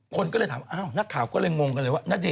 คนก็เลยถามอ้าวนักข่าวก็เลยงงกันเลยว่าณเดช